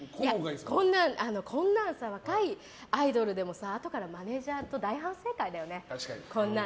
こんな若いアイドルでもさあとからマネジャーと大反省会だよね。